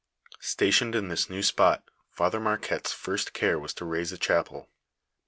Stationed in this new spot, Father Marquette's first care was to raise a chapel.